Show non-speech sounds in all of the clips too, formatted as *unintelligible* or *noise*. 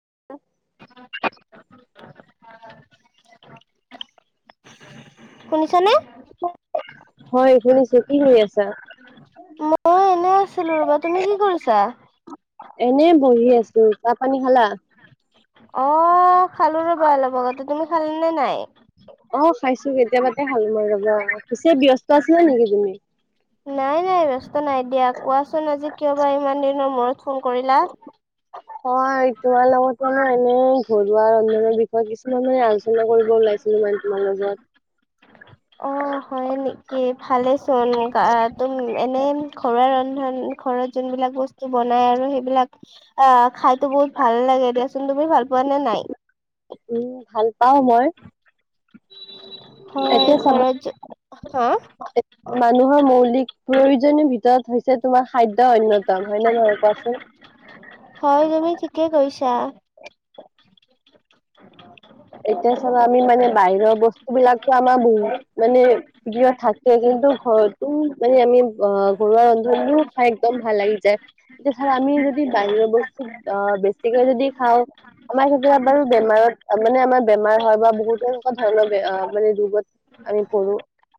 *inaudible* *inaudible* শুনিছানে? হয় শুনিছো। কি হৈ আছা? মই এনে আছিলো ৰ'বা। তুমি কি কৰিছা? এনে বহি আছো। চাহ পানী খালা? অ খালো ৰবা লগ ঘতে, তুমি খালী নে নাই? অ খাইছো কেতিয়াবাতে খালো মই ৰবা। পিছে ব্যস্ত আছিলা নেকি তুমি? নাই নাই ব্যস্ত নাই দিয়া কোৱাচোন আজি কিয় বা ইমান দিনৰ মূৰত ফোন কৰিলা? *inaudible* হয় তোমাৰ লগতে ম এনে ঘৰুৱা ৰন্ধনৰ বিষয়ে কিছুমানানে আলোচনা কৰিব লাগে। মই তমাল যত। অঁ', হয় নেকি ভালেচোন তুম এনে ঘৰুৱা ৰন্ ঘৰত যোনবিলাক বস্তু বনাই আৰু সেইবিলাক অ খ বহুত ভাল লাগে দিয়াচোন তুমি ভাল পোৱা নে নাই? উম ভাল পাওঁ মই। হয় এতিয়া চ ঘৰত য হা, মানুহৰ মৌলিক প্ৰয়োজনীয় ভিতৰত হৈছে তোমাৰ খাদ্য অন্যতম হয় ন ময় কোৱাচোন। আচছা। উ *inaudible* এতিয়া চল আমি মানে বাহিৰৰ বস্তু বিলাকো আমাৰ বহু মানে প থাকে কিন্তু ঘৰত তো মানে আমি অঁ ঘৰুৱা ৰন্ধনও খাই একদম ভাল লাগি যায় এতিয়া ধ আ যদি বাহিৰ বস্তো অঁ বেছিকে যদি খাওঁ আমাৰ কেতিয়া বাৰু বেমাৰত মানে আমাৰ বেমাৰ হয় বা বহুত এনেকুৱা ধৰণৰ মানে ৰোগত আমি পৰো।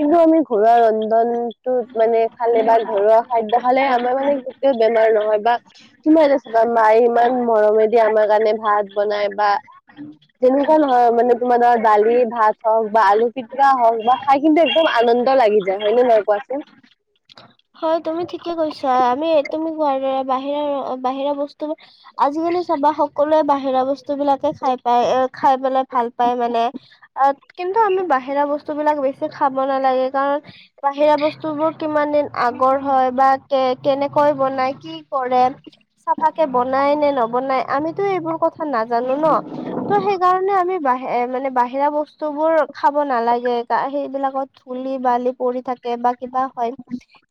কিন্তু আমি ঘৰুৱা ৰন্ধনতত মানে খালে বা ঘৰুৱা খাদ্য খালে আমাৰ মানে বেমাৰ নহয় বা তোমাৰ এটাা মায়ে ইমান মৰমে দি আমাৰ কাৰণে ভাত বনাই বা ও যেনেকুৱা নহয় মানে তোমাৰ ধৰা দালি ভাত হওঁক বা আলু পিটিক হওঁক বা খাই কিন্তু একদম আনন্দ লাগি যায় হয়নে নহয় কোৱাচোন? হয় তুমি ঠিকে কৈছা আমি তুমি কোৱাৰ দৰা বাহিৰাৰ বাহিৰা বস্তু আজিকালি চাবা সকলোৱে বাহি বাহিৰা বস্তু বিলাকে খাই পাই এ খাই পাই ভাল পায় মানে কিন্তু আমি বাহিৰা বস্ বস্তুবিলাক বেছি খাব নালাগে কাৰণ বাহিৰা বস্তুবোৰ কিমান দিন আগৰ হয় বা কে কেনেকৈ বনাই কি কৰে চাফা কে বনাই নে নবনাই আমিতো এইবোৰ কথা নাজানো ন ত সেইকাৰণে আমি হে মানে বাহিৰা বস্তু বোৰ খাব নালাগে সেইবিলাক কত ধুলি বালি পৰি থাকে বা কিবা হয়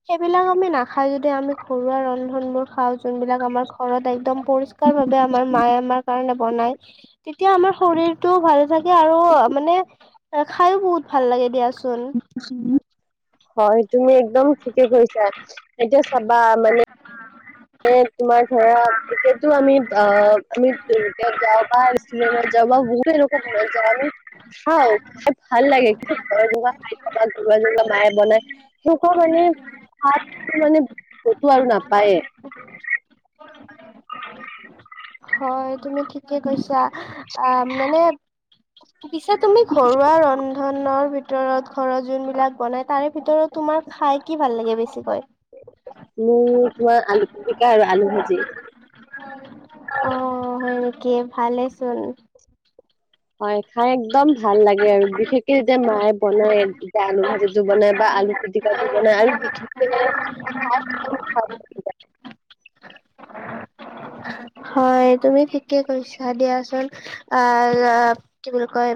সেইবিলাক আমি নাখাই যদি আমি ঘৰুৱা ৰন্ধন বোৰ খাওঁ যোনবিলাক আমাৰ ঘৰত একদম পৰিষ্কাৰ ভাবে আমাৰ মায়ে আমাৰ কাৰণে বনায় তেতিয়া আমাৰ শৰীৰটোও ভালে থা কে আৰু মানে খাইয়ো বহুত ভাল লাগে দিয়াচোন হয় তুমি একদম ঠিকে কৰিছা এতিয়া চাবা মানে এ তোমাৰ ধৰা তেতিতো আমি আ আমি *unintelligible* যাওঁ বা ৰেষ্টুৰেণ্টত যা যাওঁ বা বহুতে *unintelligible* খাই খাই ভাল লাগে কিন্তু *unintelligible* জলা জলা মায়ে বনাই সেনেকুৱা মানে ভাততো মানে কতো আৰু নাপায়ে হয় তুমি ঠিকে কৈছা আহ মানে পিছে তুমি ঘৰুৱা ৰন্ধনৰ ভিত ভিতৰত ঘৰত যোনবিলাক বনাই তাৰে ভিতৰত তোমাৰ খাই কি ভাল লাগে বেছিকৈ মোৰ তোমাৰ আলু পিটিকা আৰু আলু ভাজি অ হয় নেকি ভালেচোন হয় খাই একদম ভাল লাগে আৰু বিশেষকে যেতিয়া মায়ে বনাই যেতিয়া আলু ভাজি বনাই বা আলু পিটিকা বনাই আৰু *unintelligible* হয় তুমি ঠিকে কৈছা দিয়াচোন অ কি বুলি কয়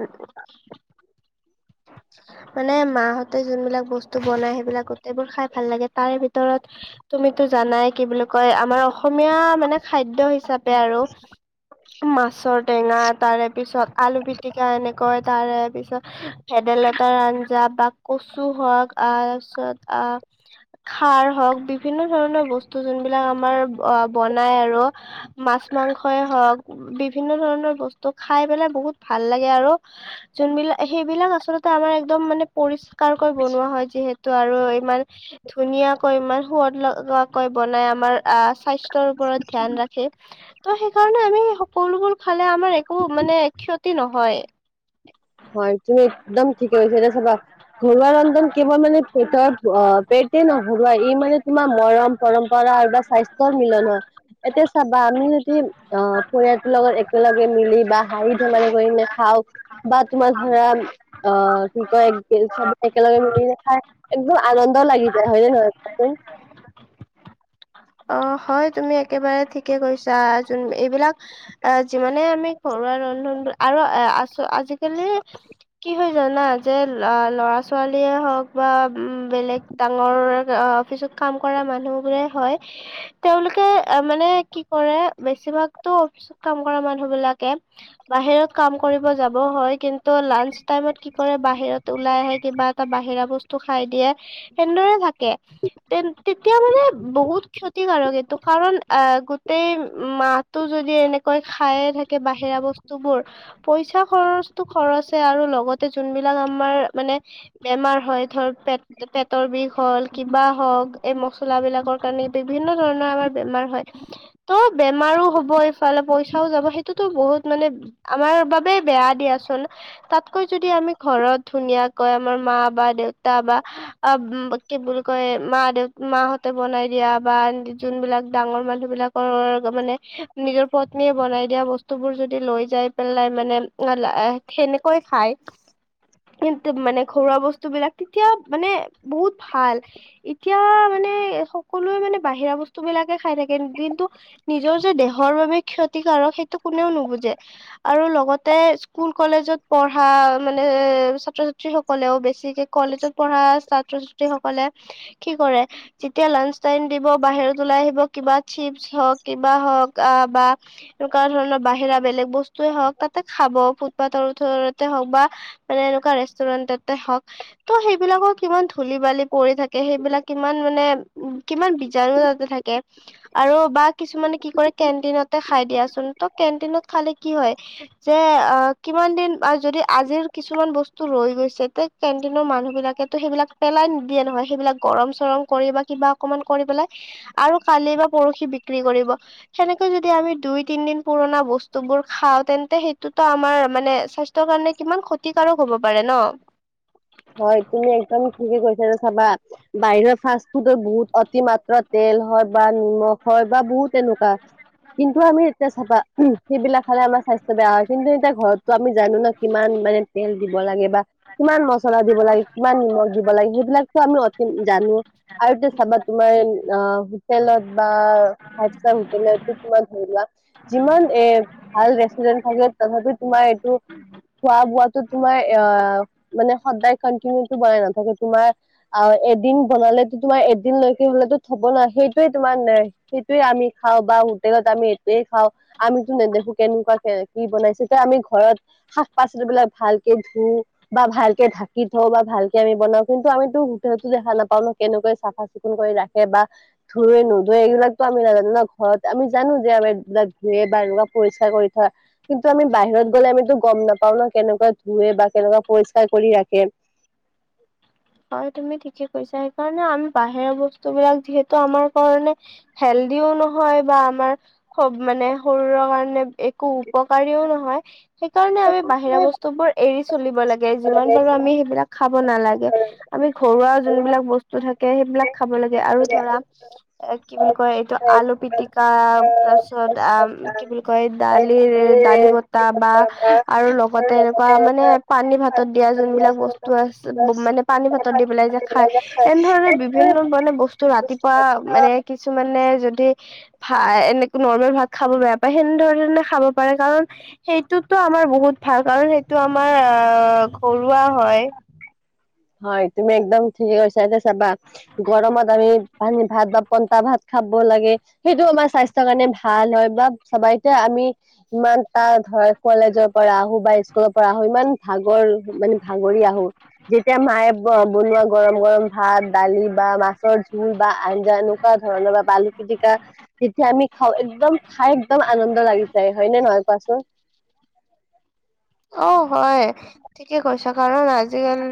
মানে মাহতে যোনবিলাক বস্তু বনাই সেইবিলাক গোতেইবোৰ খাই ভাল লাগে তাৰে ভিতৰত তুমিতো জানাই কি বুলি কয় আমাৰ অসমীয়া মানে খাদ্যয় হিচাপে আৰু মাছৰ টেঙা তাৰে পিছত আলু পিটিকা এনেকৈ তাৰে তাৰপিছত ভেদাইলতাৰ আঞ্জা বা কচু হওক ত পিছত আহ খাৰ হওক বিভিন্ন ধৰণৰ বস্তু যোন বিলাক আমাৰ বনাই আৰু মাছ মাছ মাংসই হওক বিভিন্ন ধৰণৰ বস্তু খাই পেলাই বহুত ভাল লাগে আৰু যোনব লাক সেইবিলাক আচল্ততে আমাৰ একদম মানে পৰিষ্কাৰকৈ বনোৱা হয় যিহেতু আৰু ইমান ধুনীয়াকৈ ইমান সোৱাদ লগাকৈ বনাই আমাৰ স্বাস্থ্ ওপৰত ধীয়্যান ৰাখি ত সেইকাৰণে আমি সকলোবোৰ খালে আমাৰ একো মানে ক্ষতি নহয় হয় দেই একদম ঠিকে কৈছা দেই চবা ঘৰুৱা ৰন্ধজন কেৱল মানে পেটৰ পেটে নহৰুৱা এই মানে তোমাৰ মৰম পৰম্পৰা বা স্বাস্থ্য়ৰ মিলন হয় এতিয়া চাবা আমি যদি অ পৰিয়ালটোৰ লগত একেলগে ম বা হাঁহি ধমালি কৰি নেখাওঁ বা তোমাৰ ধৰা অ কি কয় চব একেলগে মিলি নখাই একো আনন্দ লাগি যায় হয় নে নহয় ক চোন অ হয় তুমি একেবাৰে ঠিকে কৈছা যোন এইবিলাক অ যিমানে আমি ঘৰু আৰু আৰু আজি কালি জানা যে ল'ৰা ছোৱালীয়ে হওক বা বেলেগ ডাঙৰ ু কাম কৰা মানুহ বোৰে হয় তেওঁলোকে মানে কি কৰে বেছিভাগতো অফিচত কাম কৰা মানুহ বিলাকে বাহিৰত কাম কৰিব যাব হয় কিন ত' লাঞ্চ টাইমত কি কৰে বাহিৰত ওলাই আহে কিবা এটা বাহিৰা বস্তু খাই দিয়ে, সেনেদৰে থাকে, তে' তেতিয়া মানে বহুত ক্ষতিকাৰক এইটো কাৰণ আহ গোটেই মাহটো যদি এনেকৈ খাইয়ে থাকে বাহিৰ ৰা বস্তুবোৰ পইচা খৰচটো খৰচে আৰু লগতে যোনবিলাক আমাৰ মানে বেমাৰ হয় ধৰ পেট-পেটৰ বিষ হ'ল কিবা হওক এই মছলা বিলাকৰ কাৰণে বিভিন্ন ধৰণৰ আমাৰ বেমাৰ হয়, ত' বেমাৰো হ'ব ইফালে পইচাও যাব সেইটোতো বহু ত, মানে আমাৰ বাবে বেয়া দিয়াচোন, তাতকৈ যদি আমি ঘৰত ধুনীয়াাকৈ আমাৰ মা বা দেউতা বা আব কি বুলি কয় মা দেউ মাহঁতে বনাই দিয়া। বা যোনবিলাক ডাঙৰ মানুহবিলাকৰ মানে নিজৰ পত্নীয়ে বনাই দিয়া বস্তুবোৰ যদি লৈ যাই পেলাই মানে *unintelligible* সেনেকৈ খাই। কিন্তু মানে ঘৰুৱা বস্তুবিলাক তেতিয়াও মানে বহুত ভাল, এতিয়া মা নে সকলোৱে মানে বাহিৰা বস্তুবিলাকে খাই থাকে কিন্তু নিজৰ যে দেহৰ বাবে ক্ষতিকাৰক সেইটো কোনেও নুবু জে আৰু লগতে স্কুল কলেজত পঢ়া মানে, ছাত্ৰ ছাত্ৰী সকলেও বেছিকে কলেজত পঢ়া ছাত্ৰ-ছাত্ৰী সকলে, কি কৰে যেতিয়া লাঞ্চ টাইম দিব বাহিৰত ওলাই আহিব কিবা চিপছ হওক কিবা হওক আহ বা এনেকুৱা ধৰণৰ বাহি ৰা বেলেগ বস্তুৱে হওক তাতে খাব ফুটপাথৰ ওচৰতে হওক বা, মানে এনেকুৱা ৰেষ্টুৰেণ্ট এটা। হওঁক ত' সেইবিলাকৰ কিমান ধূলি বালি পৰি থাকে সেইবিলাক কিমান মানে কিমান বীজাণু তাতে থাকে, আৰু বা কিছুমানে কি কৰে কেণ্টিনতে খাই দিয়াচোন ত' কেন কেণ্টিনত খালে কি হয়, যে আহ কিমান দিন বা যদি আজিৰ কিছুমান বস্তু ৰৈ গৈ ছে কেণ্টিনৰ মানুহ বিলাকেতো সেইবিলাক পেলাই নিদিয়ে নহয় সেইবিলাক গৰম চৰম কৰি বা কিবা অকমান কৰি পেলাই, আৰু কালি বা পৰহি বিক্ৰী কৰিব, সেনেকে যদি আমি দুই তিন দিন পু পুৰাণা বস্তু বোৰ খাও তেন্তে সেইটোতো আমাৰ মানে স্বাস্থ্যৰ কাৰণে কিমান ক্ষতিকাৰক হ'ব পাৰে ন, *inaudible* হয় তুমি একদম ঠিকে কৈছা ন চাবা বাহিৰৰ ফাষ্ট ফুডৰ বহুত অতিমাত্ৰা তেজ, তেল হয় বা নিমখ হয় বা বহুত তেনেকুৱা। কিন্তু আমি এতিয়া চাবা সেইবিলাক খালে আমাৰ স্বাস্থ্য বেয়া হয় কিন্তু এতিয়া ঘৰতটো আমি, জানো ন কিমান মানে তেল দিব লাগে বা কিমান ম দিব লাগে কিমান নিমখ দিব লাগে সেইবিলাক আমি জানো আৰু এটো চাবা তোমাৰ আ তোমাৰ হোটেলত বা ফাইভ ষ্টাৰ *unintelligible* ধৰিলোৱা যিমান এ ভাল ৰেষ্টুৰেন থাকে তথাপি তোমাৰ এইটো, খোৱা বোৱাতো তোমাৰ অ মানে, সদায় কটিনিউ বনাই নাথাকে তোমাৰ অ এদিন বনালো তোমাৰ এদিন লৈকে হলেতো থব, নহয় সেইটোয়ে তোমাৰ সেইটোয়ে আমি খাওঁ বা হোটেলত আমি এইটোয়ে খাওঁ আমিতো নেদেখু, কেনেকুৱ কি বনাইছে তে আমি ঘৰত শাক পাচলিবলাক ভালকে ধু বা ভাল, ঢাকি থওঁ বা ভালকে আমি বনাওঁ কিন্তু আমিতো হোতো দেখা নাপাওঁ ন কেনেকৈ চাফা চিকুণ কৰি ৰাখে বা, ধুই নুধুৱে এইবিলাক আমি নাজানো ন ঘৰত আমি জানো যে আমাৰ এইবিলাক ধুৱে বা এনেকুৱা পৰি, কৰি থয় কিন্তু আমি বাহিৰত গ'লে আমিতো গম নাপাও ন কেনেকুৱা ধুুৱে বা কেনেকুৱা পৰিষ্কাৰ, কৰি ৰাখে। হয় তুমি ঠিকে কৈছা সেইকাৰণে আমি বাহিৰৰ বস্তু বিলাক যিহেতু আমাৰ কাৰণে হেল, ও নহয় বা আমাৰ মানে শ শৰীৰ কাৰণে। একো উপকাৰীও নহয় সেইকাৰণে আমি বাহিৰা বস্তু বোৰ এৰি চলিব লাগে যিমান পাৰো আমি। সেইবিলাক খাব নালাগে। আমি ঘৰুৱা যোনবিলাক বস্তু থাকে সেইবিলাক খাব লাগে আৰু ধৰা কি বুলি কয় এইটো আলু পিটিকা তাৰপিছত আ কি বুলি কয় দালিৰ দালি, বতা বা আৰু লগতে এনেকুৱা মানে পানী ভাতত। দিয়া যোনবিলাক বস্তু আছে মানে পানী ভাতত দি পেলাই যে খাই এনেধৰণে বিভিন্ন মানে বস্তু ৰাতিপুৱা মানে কিছুমানে যদি ভা এনেকে নৰ্মেল ভাত খাব বেয়া পায় সে খাব পাৰে কাৰণ সেইটোতো আমাৰ বহুত ভাল কাৰণ সেইটো আমাৰ আহ পৰুৱা হয়। হয় তুমি একদম ঠিকেই কৈছা চাবা গৰমত আমি পানী ভাত বা পইতা ভাত খাব লাগে সেইটো আমাৰ স্বাস্থ্যৰ কাৰণে ভাল হয় বা চাবা আমি ইমান তাৰ ধ কলেজৰ পৰা আহো বা স্কুলৰ পৰা আহো ইমান ভাগৰ মানে ভাগৰি আহো। যেতিয়া মায়ে বনোৱা গৰম গৰম ভাত দালি বা মাছৰ জোল বা আঞ্জা এনেকুৱা ধৰণৰ - - ধৰা বা বালু পিটিকা যেতিয়া আমি খাই একদম খাই একদম আনন্দ লাগি যায় হয়নে নহয় কোৱাচোন? অ হয় ঠিকে কৈছ কাৰণ আজিকালি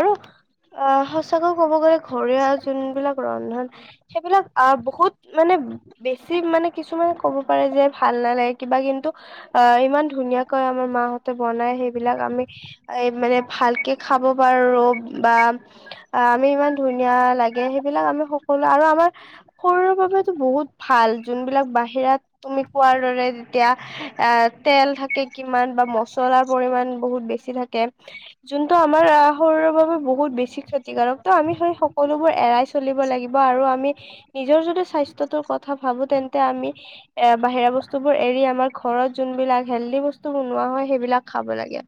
আৰু অ সঁচাকৈ ক'ব গ'লে ঘৰৱা যোনবিলাক ৰন্ধন সেইবিলাক আহ বহুত মানে বেছি মানে কিছুমানে ক'ব পাৰে যে ভাল নালাগে কিবা কিন্তু অ ইমান ধুনীয়াকৈ আমাৰ মাহঁতে বনাই সেইবিলাক আমি এই মানে ভালকে খাব পাৰো বা আমি ইমান ধুনীয়া লাগে সেই বিলাক আমি সকলো আৰু আমাৰ শৰীৰৰ বাবেতো বহুত ভাল, যোনবিলাক বাহিৰত তুমি কোৱাৰ দৰে যেতিয়া এ তেল থাকে কিমান বা ম চলাৰ পৰিমাণ বহুত বেছি থাকে উ *unintelligible* যোনটো আমাৰ শৰীৰৰ বাবে বহুত বেছি ক্ষতিকাৰক ত' আমি সেই সকলোবোৰ এৰাই চলিব লাগিব। আৰু আমি নিজৰ যদি *unintelligible* আমাৰ ঘৰত যোনবিলাক হেল্ডী বস্তু বনোৱা হয় সেইবিলাক খাব লাগে।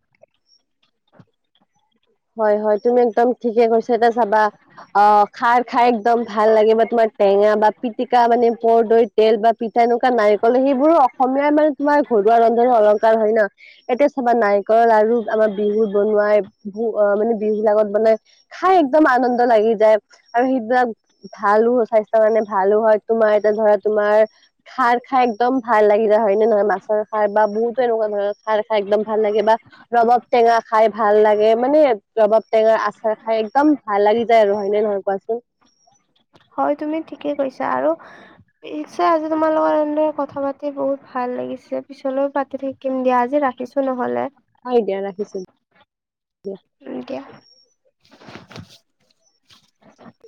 হয় হয় তুমি একদম ঠিকে কৈছ এটা চাবা অ খাৰ খাই একদম ভাল লাগিব তোমাৰ টেঙা বা পিটিকা মানে পৰদৈ তেল বা পিঠা এনেকুৱা নাৰিকল সেইবোৰো অসমীয়াই মানে তোমাৰ ঘৰুৱা ৰন্ধনো অলংকাৰ হয় ন এতিয়া চাবা নাৰিকলৰ লাৰু আমাৰ বিহু বনোৱাই হু অ মানে বিহু বিলাকত বনাই খাই এক্দম আনন্দ লাগি যায়, আৰু সেইবিলাক ভালো। স্বাস্থ্যৰ কাৰানে ভালো হয় তোমাৰ এতিয়া ধৰা তোমাৰ খাৰ খাই একদম ভাল লাগি য হয় নে নহয় আচৰ খাৰ বা বহুতো এনেকুৱা ধৰণৰ খাৰ খাই একদম ভাল লাগে বা ৰব টেঙা খাই ভাল লাগে মানে ৰবাব টেঙা আচাৰ খাই এক্দম ভাল লাগি যায় আৰু হয়নে নহয় কোৱাচোন। হয় তুমি ঠিকে কৈছা। আৰু ঠিক আছে আজি তোমাৰ লগত এনেদৰে কথা পাতি বহুত ভাল লাগিছে, পিছলৈও পাতি থাকিম দিয়া। আজি ৰা ৰাখিছো নহ'লে আহ দিয়া ৰাখিছো দিয়া। উম দিয়া।